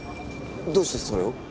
どうしてそれを？